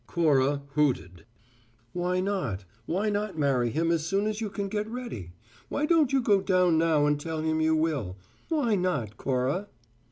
Cora hooted. "Why not? Why not marry him as soon as you can get ready? Why don't you go down now and tell him you will? Why not, Cora?"